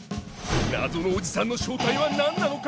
謎のおじさんの正体は何なのか！？